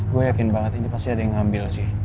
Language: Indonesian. gue yakin banget ini pasti ada yang ngambil sih